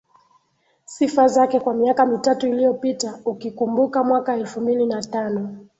sifa zake kwa miaka mitatu iliyopita ukikumbuka mwaka elfu mbili na tano